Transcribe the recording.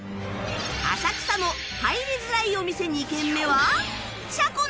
浅草の入りづらいお店２軒目は